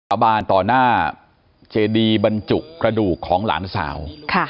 ขอสาบานต่อหน้าเจดี๕ปฏิบัญจุประดูกของหลานสาว